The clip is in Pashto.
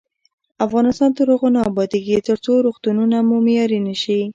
افغانستان تر هغو نه ابادیږي، ترڅو روغتونونه مو معیاري نشي.